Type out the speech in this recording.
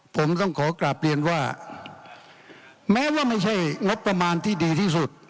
ผมต้องขอกลับเรียนว่าแม้ว่าไม่ใช่งบประมาณที่ดีที่สุด